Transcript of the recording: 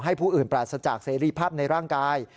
ผู้อื่นปราศจากเสรีภาพในร่างกาย